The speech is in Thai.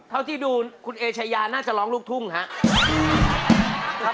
เท่าที่ดูคุณเอชายาน่าจะร้องลูกทุ่งครับ